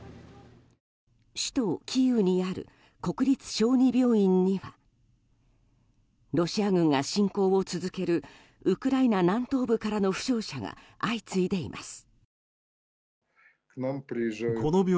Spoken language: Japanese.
首都キーウにある国立小児病院にはロシア軍が侵攻を続けるウクライナ南東部からの負傷者が相次いでいます。